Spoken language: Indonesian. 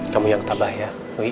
kamu yang tabah ya